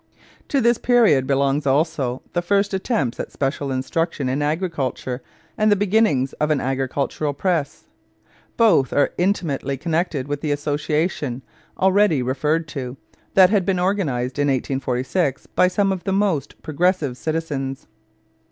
To this period belongs also the first attempts at special instruction in agriculture and the beginning of an agricultural press. Both are intimately connected with the association, already referred to, that had been organized in 1846 by some of the most progressive citizens.